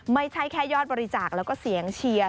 ไม่ใช่แค่ยอดบริจาคแล้วก็เสียงเชียร์